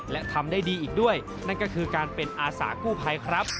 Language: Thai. และทำได้ดีอีกด้วยนั่นก็คือการเป็นอาสากู้ภัยครับ